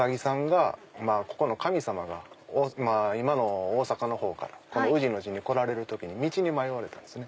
ここの神様が今の大阪のほうからこの宇治の地に来られる時に道に迷われたんですね。